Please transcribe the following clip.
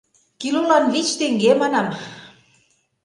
— Килолан вич теҥге, манам.